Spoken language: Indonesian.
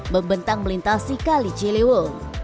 membentang melintasi kalijilewo